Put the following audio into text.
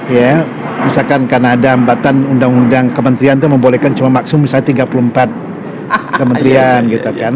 ya misalkan karena ada hambatan undang undang kementerian itu membolehkan cuma maklum misalnya tiga puluh empat kementerian gitu kan